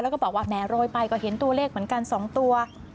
แล้วก็บอกว่าแหมโรยไปก็เห็นตัวเลขเหมือนกัน๒ตัว